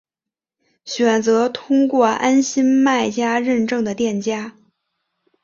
选择通过安心卖家认证的店家